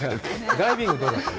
ダイビングどうだったの？